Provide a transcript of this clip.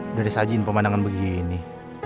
udah disajiin pemandangan begini